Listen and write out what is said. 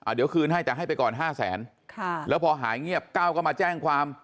เดี๋ยวคืนให้แต่ให้ไปก่อน๕แสนแล้วพอหายเงียบก้าวก็มาแจ้งความ